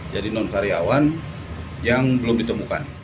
jadi non karyawan yang belum ditemukan